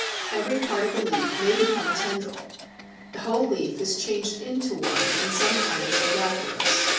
Every part of a leaf may become a tendril. The whole leaf is changed into one in some kinds of Lathyrus.